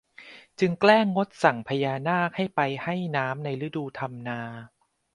จึงแกล้งงดสั่งพญานาคให้ไปให้น้ำในฤดูทำนา